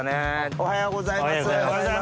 おはようございます。